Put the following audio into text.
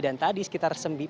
dan tadi sekitar sempit